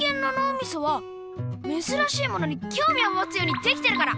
みそはめずらしいものにきょうみをもつようにできてるから！